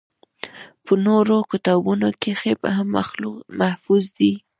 پۀ نورو کتابونو کښې هم محفوظ دي